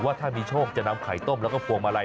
ว่าถ้ามีโชคจะนำไข่ต้มแล้วก็พวงมาลัย